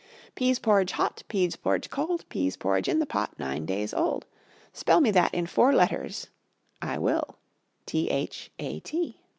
Pease porridge hot, Pease porridge cold. Pease porridge in the pot Nine days old. Spell me that in four letters: I will: T H A T.